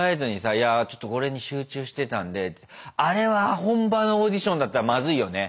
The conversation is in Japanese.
いやあちょっとこれに集中してたんでってあれは本場のオーディションだったらまずいよね。